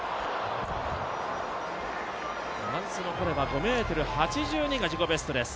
フランスのコレは５ｍ８２が自己ベストです。